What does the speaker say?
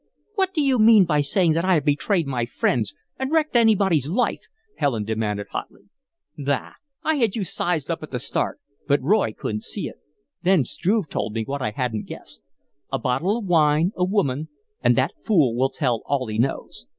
"What do you mean by saying that I have betrayed my friends and wrecked anybody's life?" Helen demanded, hotly. "Bah! I had you sized up at the start, but Roy couldn't see it. Then Struve told me what I hadn't guessed. A bottle of wine, a woman, and that fool will tell all he knows.